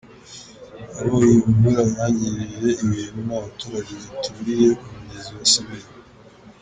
Abo iyo mvura yangirije ibintu ni abaturage baturiye umugezi wa Sebeya.